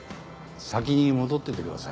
先に戻っててください。